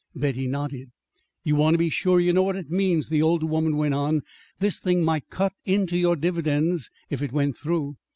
Betty nodded. "You want to be sure you know what it means," the older woman went on. "This thing might cut into your dividends, if it went through."